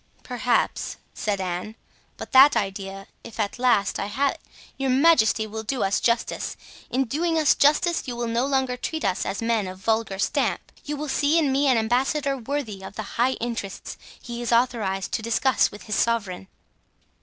"Perhaps," said Anne; "but that idea, if at last I have it——" "Your majesty will do us justice. In doing us justice you will no longer treat us as men of vulgar stamp. You will see in me an ambassador worthy of the high interests he is authorized to discuss with his sovereign."